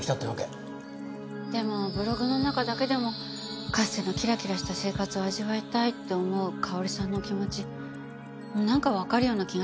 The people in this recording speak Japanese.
でもブログの中だけでもかつてのキラキラした生活を味わいたいって思う香織さんの気持ちなんかわかるような気がしました。